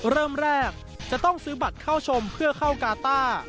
เริ่มแรกจะต้องซื้อบัตรเข้าชมเพื่อเข้ากาต้า